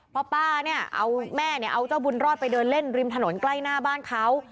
เพราะป้าเนี่ยเอาแม่เนี่ยเอาเจ้าบุญรอดไปเดินเล่นริมถนนใกล้หน้าบ้านเขา